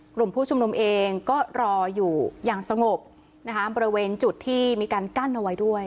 กลุ่มผู้ชุมนุมเองก็รออยู่อย่างสงบนะคะบริเวณจุดที่มีการกั้นเอาไว้ด้วย